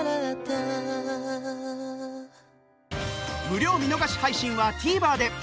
無料見逃し配信は ＴＶｅｒ で